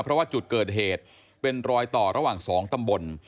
เพราะว่าจุดเกิดเหตุเป็นรอยต่อระหว่าง๒ตำบล